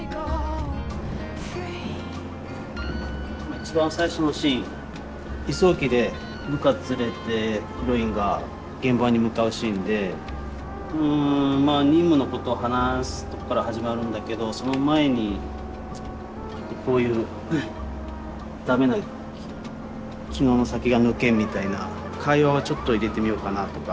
一番最初のシーン輸送機で部下連れてヒロインが現場に向かうシーンで任務のことを話すとこから始まるんだけどその前にちょっとこういう「ダメだ昨日の酒が抜けん」みたいな会話をちょっと入れてみようかなとか。